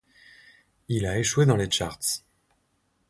Il a échoué dans les charts.